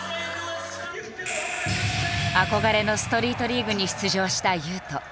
憧れのストリートリーグに出場した雄斗。